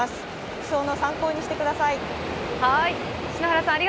服装の参考にしてください。